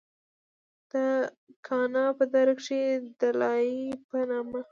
د کاڼا پۀ دره کښې د “دلائي” پۀ نامه